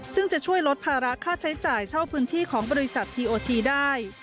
ซึ่งจะช่วยลดภาระค่าใช้จ่ายเช่าพื้นที่ของบริษัททีโอทีได้